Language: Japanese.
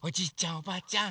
おばあちゃん